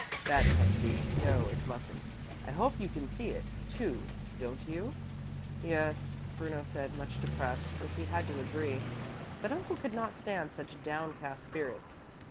That can't be; no, it mustn't. I hope you can see it, too, don't you?" "Yes," Bruno said, much depressed, for he had to agree. But Uncle could not stand such downcast spirits.